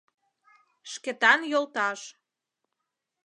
— Шкетан йолташ!